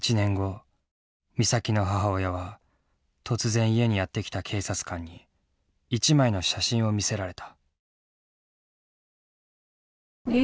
美咲の母親は突然家にやって来た警察官に一枚の写真を見せられた。